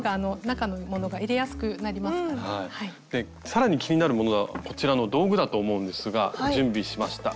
更に気になるものがこちらの道具だと思うんですが準備しました。